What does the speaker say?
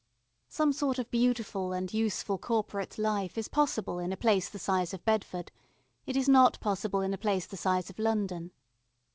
Some sort of beautiful and useful corporate life is possible in a place the size of Bedford; it is not possible in a place the size of London.